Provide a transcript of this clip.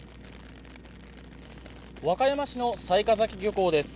和歌山市の雑賀崎漁港です。